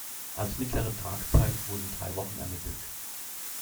Als mittlere Tragzeit wurden drei Wochen ermittelt.